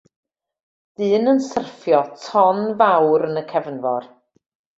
Dyn yn syrffio ton fawr yn y cefnfor.